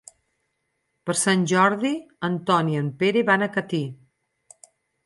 Per Sant Jordi en Ton i en Pere van a Catí.